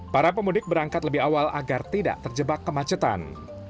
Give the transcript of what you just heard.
para pemudik berangkat lebih awal agar tidak terjebak kemacetan